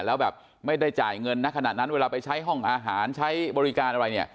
แล้วแบบไม่ได้จ่ายเงินนะขณะนั้นเวลาไปใช้ห้องอาหารใช้บริการอะไรเนี่ย